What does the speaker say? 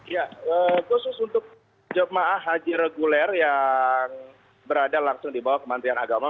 ya khusus untuk jemaah haji reguler yang berada langsung di bawah kementerian agama